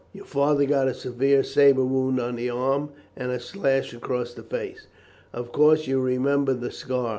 Your father got a severe sabre wound on the arm and a slash across the face. Of course, you remember the scar.